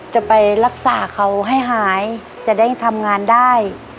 จะไปรักษาเขาให้หายจะได้ทำงานได้